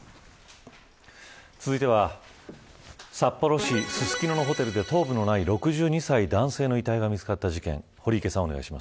続いては、札幌市ススキノのホテルで頭部のない６２歳男性の遺体が見つかった事件。